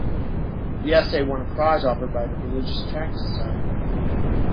The essay won a prize offered by the Religious Tract Society.